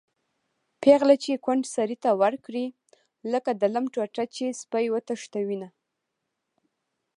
پېغله چې کونډ سړي ته ورکړي-لکه د لم ټوټه چې سپی وتښتوېنه